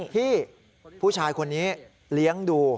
ที่ผู้ชายคนนี้เลี้ยงดู